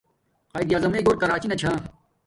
قایداعظم مݵ گھور کراچی نا چھا